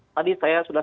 tadi saya sudah